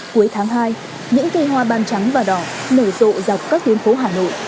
cuối tháng hai những cây hoa ban trắng và đỏ nở rộ dọc các tuyến phố hà nội